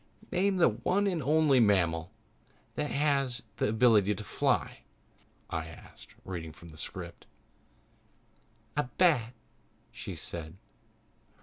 "Name the one and only mammal that has the ability to fly," I asked, reading from the script. "A bat," she said.